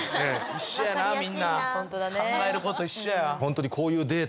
一緒やなみんな考えること一緒や。